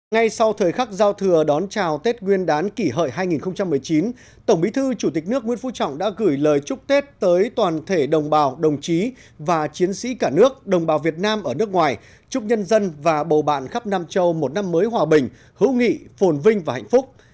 ngay sau thời khắc giao thừa đón chào tết nguyên đán kỷ hợi hai nghìn một mươi chín tổng bí thư chủ tịch nước nguyễn phú trọng đã gửi lời chúc tết tới toàn thể đồng bào đồng chí và chiến sĩ cả nước đồng bào việt nam ở nước ngoài chúc nhân dân và bầu bạn khắp nam châu một năm mới hòa bình hữu nghị phồn vinh và hạnh phúc